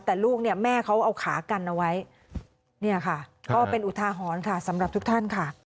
แต่ลูกเนี่ยแม่เขาเอาขากันเอาไว้เนี่ยค่ะก็เป็นอุทาหรณ์ค่ะสำหรับทุกท่านค่ะ